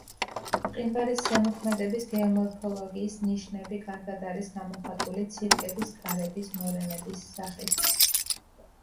მყინვარის ზემოქმედების გეომორფოლოგიის ნიშნები კარგად არის გამოხატული ცირკების, კარების, მორენების სახით.